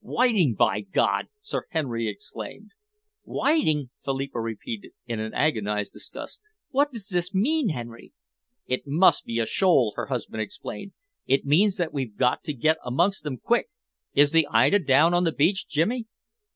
"Whiting, by God!" Sir Henry exclaimed. "Whiting!" Philippa repeated, in agonised disgust. "What does this mean, Henry?" "It must be a shoal," her husband explained. "It means that we've got to get amongst them quick. Is the Ida down on the beach, Jimmy?"